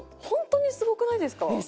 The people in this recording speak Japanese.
本当にすごくないですか？